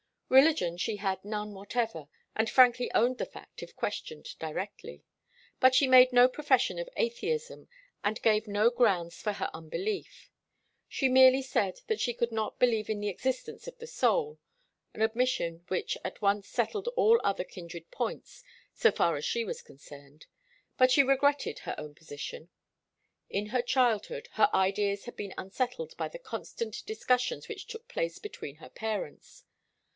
Religion she had none whatever, and frankly owned the fact if questioned directly. But she made no profession of atheism and gave no grounds for her unbelief. She merely said that she could not believe in the existence of the soul, an admission which at once settled all other kindred points, so far as she was concerned. But she regretted her own position. In her childhood, her ideas had been unsettled by the constant discussions which took place between her parents.